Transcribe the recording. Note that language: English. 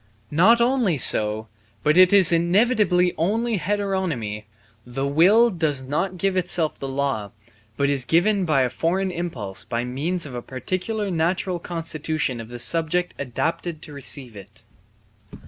Not only so, but it is inevitably only heteronomy; the will does not give itself the law, but is given by a foreign impulse by means of a particular natural constitution of the subject adapted to receive it.